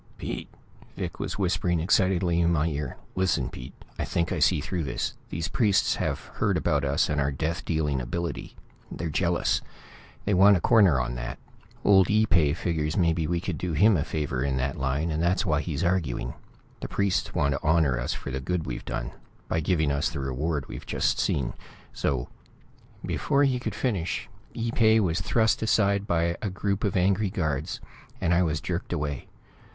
"Pete!" Vic was whispering excitedly in my ear. "Listen, Pete, I think I see through this. These priests have heard about us and our death dealing ability. They're jealous; they want a corner on that. Old Ee pay figures maybe we could do him a favor in that line, and that's why he's arguing. The priests want to honor us for the good we've done by giving us the reward we've just seen. So " Before he could finish, Ee pay was thrust aside by a group of angry guards, and I was jerked away.